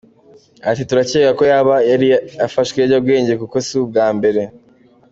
Ati “Turakeka ko yaba yari yafashe ibiyobyabwenge kuko si ubwa mbere .